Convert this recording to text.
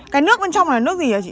cái nước bên trong là nước gì hả chị